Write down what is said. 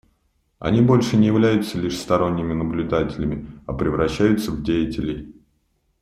Они больше не являются лишь сторонними наблюдателями, а превращаются в деятелей.